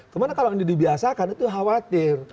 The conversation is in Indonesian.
kemana kalau ini dibiasakan itu khawatir